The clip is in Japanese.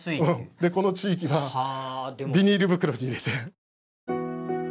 この地域はビニール袋に入れて。